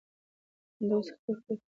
همدا اوس خپله کوټه په ترتیب سره پاکه کړه.